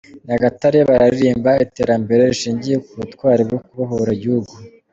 Nyagatare: Bararirimba iterambere rishingiye ku butwari bwo kubohora igihugu.